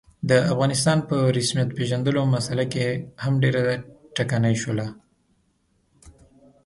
د افغانستان په رسمیت پېژندلو مسعله هم ډېره ټکنۍ شوله.